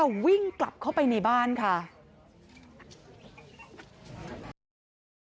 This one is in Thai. พอลูกเขยกลับเข้าบ้านไปพร้อมกับหลานได้ยินเสียงปืนเลยนะคะ